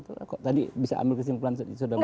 tadi bisa ambil kesimpulan sudah benar